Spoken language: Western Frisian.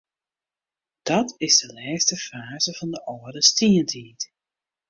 Dat is de lêste faze fan de âlde stientiid.